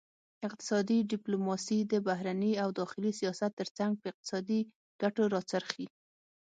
اقتصادي ډیپلوماسي د بهرني او داخلي سیاست ترڅنګ په اقتصادي ګټو راڅرخي